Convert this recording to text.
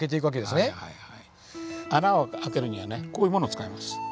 穴をあけるにはねこういうものを使います。